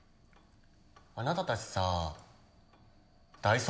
あなたたちさ大卒？